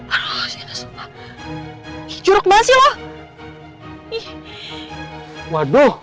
aduh sianang sumpah jorok banget sih lo